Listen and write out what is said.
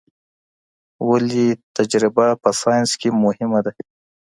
ولي تجربه په ساينس کي مهمه ده؟